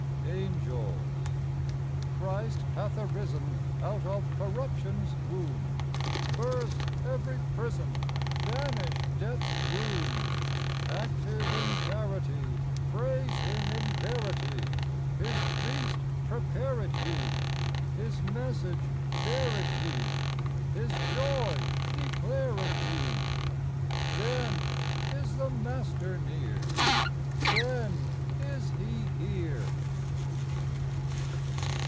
114 Angels. Christ hath arisen Out of corruption's womb. Burst every prison ! Vanish death's gloom ! Active in charity, Praise Him in verity ! His feast prepare it ye ! His message bear it ye ! His joy declare it ye ! Then is the Master near, Then is He here.